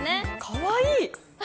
かわいい。